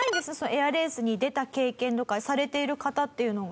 エアレースに出た経験とかされている方っていうのが。